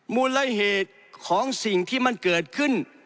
มูลละเหตุของสิ่งที่มันเกิดขึ้น